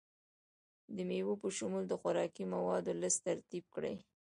د میوو په شمول د خوراکي موادو لست ترتیب کړئ.